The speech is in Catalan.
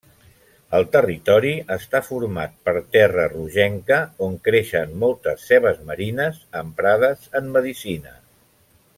El territori està format per terra rogenca, on creixen moltes cebes marines emprades en medicina.